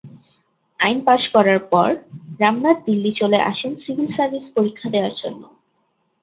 আইন পাশ করার পর রামনাথ দিল্লী চলে আসেন সিভিল সার্ভিস পরীক্ষা দেওয়ার জন্য।